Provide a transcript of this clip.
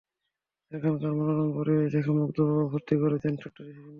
সেখানকার মনোরম পরিবেশ দেখে মুগ্ধ বাবা ভর্তি করে দেন ছোট্ট শিরীনকে।